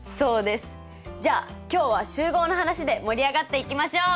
じゃ今日は集合の話で盛り上がっていきましょう！